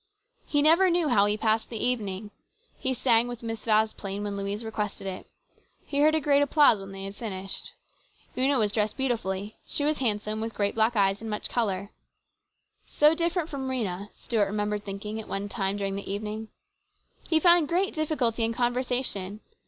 He never knew how he passed the evening. He sang with Miss Vasplaine when Louise requested it. He heard a great applause when they had finished. Una was dressed beautifully. She was handsome, with great black eyes and much colour. So different from COMPLICATIONS. 213 Rhena, Stuart remembered thinking at one time during the evening. He found great difficulty in conversation.